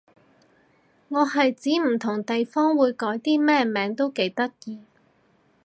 我係指唔同地方會改啲咩名都幾得意